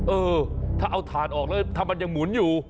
เออถ้าเอาถ่านออกแล้วถ้ามันยังหมุนอยู่